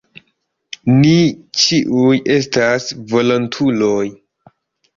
Ni ĉiuj estas volontuloj.